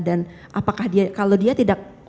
dan apakah dia kalau dia tidak pernah ke sydney